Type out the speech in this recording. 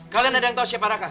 kalian ada yang tahu siapa raka